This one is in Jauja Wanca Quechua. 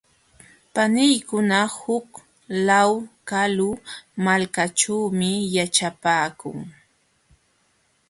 Paniykuna huk law kalu malkaćhuumi yaćhapaakun.